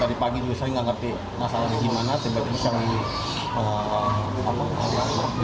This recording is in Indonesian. tadi pagi juga saya nggak ngerti masalahnya gimana tiba tiba siang